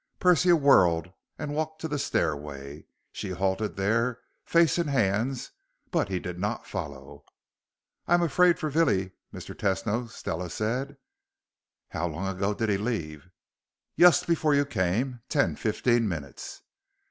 Persia whirled and walked to the stairway. She halted there, face in hands; but he did not follow. "I am afraid for Villie, Mr. Tesno," Stella said. "How long ago did he leave?" "Yust before you came. Ten, fifteen minutes."